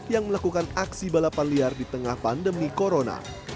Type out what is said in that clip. yang melakukan aksi balapan liar di tengah pandemi corona